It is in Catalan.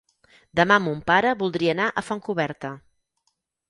Demà mon pare voldria anar a Fontcoberta.